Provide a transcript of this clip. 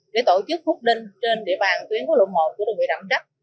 để tổ chức hút đinh trên địa bàn tuyến quốc lộ một của đồng nghiệp đậm đất